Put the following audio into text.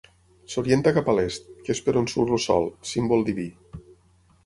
S'orienta cap a l'est, que és per on surt el sol, símbol diví.